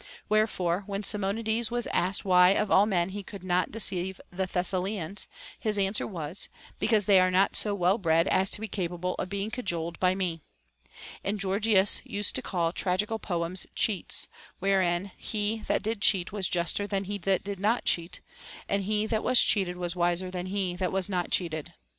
Where fore, when Simonides was asked why of all men he could not deceive the Thessalians, his answer was, Because they are not so well bred as to be capable of being cajoled by me. And Gorgias used to call tragical poems cheats, wherein he that did cheat was j uster than he that did not cheat, and he that was cheated was wiser than he that was not cheated.